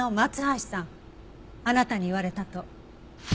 あなたに言われたと。